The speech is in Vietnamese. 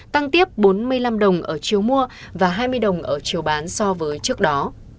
tăng tiếp bốn mươi năm đồng ở chiều mua và hai mươi đồng ở chiều bán so với trước đó